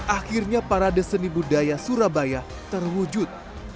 akhirnya para deseni budaya surabaya terwujud